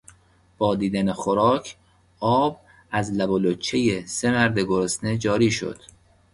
با دیدن خوراک آب از لب و لوچهی سه مرد گرسنه جاری شد.